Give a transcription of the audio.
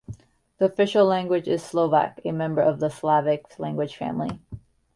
The official language is Slovak, a member of the Slavic language family.